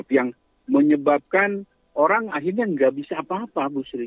yang menyebabkan orang akhirnya nggak bisa apa apa bu sri